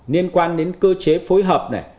liên quan đến cơ chế phối hợp này